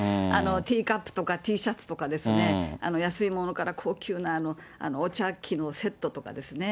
ティーカップとかＴシャツとか、安いものから、高級なお茶器のセットとかですね。